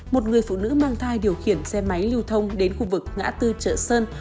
một người phụ nữ mang thai điều khiển xe máy lưu thông đến khu vực ngã tư chợ sơn